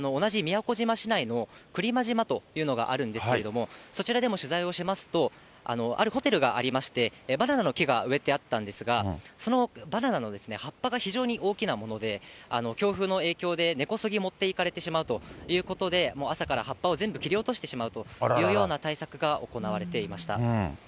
くりま大橋を渡った先に同じ宮古島市内のくりま島というのがあるんですけれども、そちらでも取材をしますと、あるホテルがありまして、バナナの木が植えてあったんですが、そのバナナの葉っぱが非常に大きなもので、強風の影響で根こそぎ持っていかれてしまうということで、朝から葉っぱを全部切り落としてしまうというような対策が行われていました。